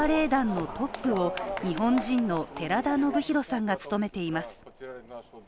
そのバレエ団のトップを日本人の寺田宜弘さんが務めています。